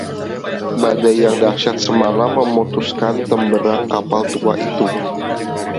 badai yang dahsyat semalam memutuskan temberang kapal tua itu